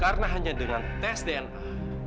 karena hanya dengan tes dna